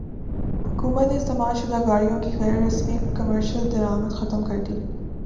حکومت نے استعمال شدہ گاڑیوں کی غیر رسمی کمرشل درامد ختم کردی